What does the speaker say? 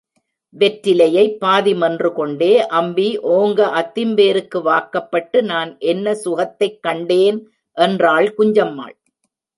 வெற்றிலையைப் பாதி மென்றுகொண்டே, அம்பி, ஓங்க அத்திம்பேருக்கு வாக்கப்பட்டு நான் என்ன சுகத்தைக் கண்டேன்? என்றாள் குஞ்சம்மாள்.